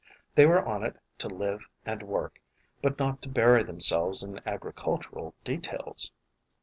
They were on it to live and work, but not to bury themselves in agricultural de tails.